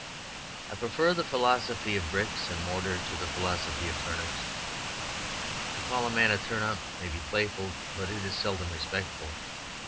I prefer the philosophy of bricks and mortar to the philosophy of turnips. To call a man a turnip may be playful, but is seldom respectful.